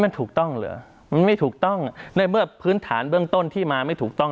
มันถูกต้องเหรอมันไม่ถูกต้องในเมื่อพื้นฐานเบื้องต้นที่มาไม่ถูกต้อง